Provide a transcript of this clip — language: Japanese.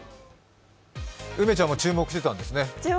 梅ちゃんも注目してたんですね。